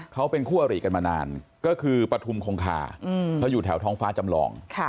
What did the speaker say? เขาเป็นคู่อริกันมานานก็คือปฐุมคงคาเขาอยู่แถวท้องฟ้าจำลอง